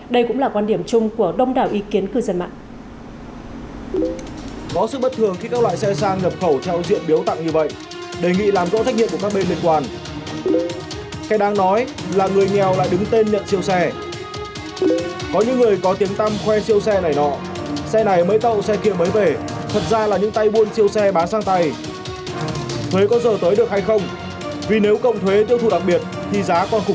đây cũng là quan điểm chung của đông đảo ý kiến của dân mạng